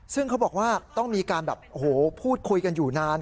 ซึ่งเขาบอกว่าต้องมีการแบบโอ้โหพูดคุยกันอยู่นาน